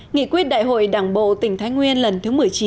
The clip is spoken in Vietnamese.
nghị quyết đại hội đảng bộ tỉnh thái nguyên lần thứ một mươi chín